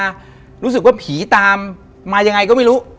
รู้สึกว่าผีตามมายังไงก็ไม่รู้